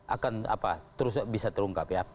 akan terus bisa terungkap ya